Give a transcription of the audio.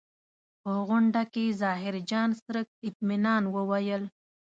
په غونډه کې ظاهرجان څرک اطمنان وویل.